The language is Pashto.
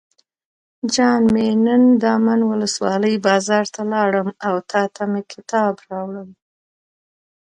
جان مې نن دامن ولسوالۍ بازار ته لاړم او تاته مې کتاب راوړل.